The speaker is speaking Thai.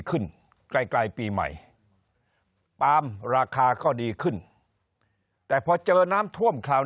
ขึ้นไกลปีใหม่ปาล์มราคาก็ดีขึ้นแต่พอเจอน้ำท่วมคราว